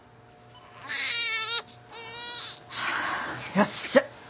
よっしゃ！